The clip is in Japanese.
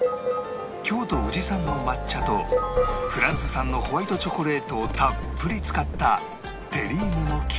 京都宇治産の抹茶とフランス産のホワイトチョコレートをたっぷり使ったテリーヌの生地